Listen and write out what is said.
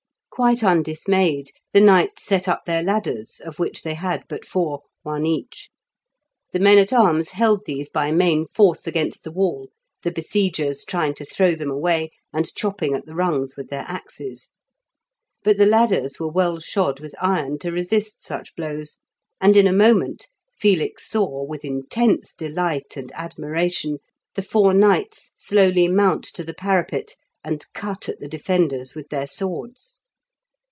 Quite undismayed, the knights set up their ladders, of which they had but four, one each. The men at arms held these by main force against the wall, the besiegers trying to throw them away, and chopping at the rungs with their axes. But the ladders were well shod with iron to resist such blows, and in a moment Felix saw, with intense delight and admiration, the four knights slowly mount to the parapet and cut at the defenders with their swords.